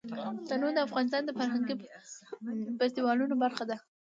تنوع د افغانستان د فرهنګي فستیوالونو برخه ده.